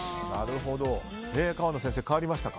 川野先生、変わりましたか。